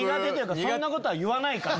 そんなことは言わないから。